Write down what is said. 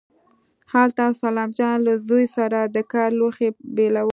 هلته سلام جان له زوی سره د کار لوښي بېلول.